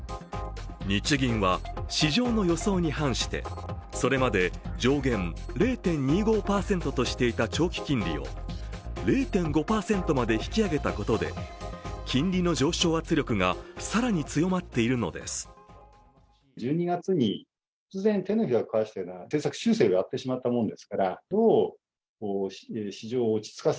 日銀は市場の予想に反してそれまで上限０．２５％としていた長期金利を０．５％まで引き上げたことで金利の上昇圧力が更に強まっているのです。